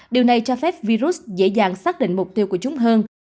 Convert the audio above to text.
điều này cho phép virus dễ dàng xác định mục tiêu của chúng hơn